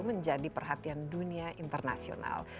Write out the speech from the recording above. menjadi perhatian dunia internasional